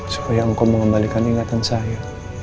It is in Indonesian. supaya engkau mengembalikan ingatan saya